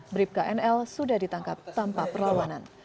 bripknl sudah ditangkap tanpa perlawanan